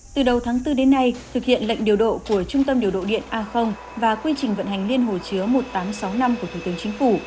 từ đầu tháng bốn đến nay thực hiện lệnh điều độ của trung tâm điều độ điện a và quy trình vận hành liên hồ chứa một nghìn tám trăm sáu mươi năm của thủ tướng chính phủ